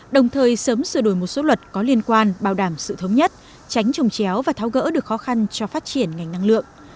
đồng thời sớm sửa đổi một số luật có liên quan bảo đảm sự thống nhất tránh trồng chéo và tháo gỡ được khó khăn cho phát triển ngành năng lượng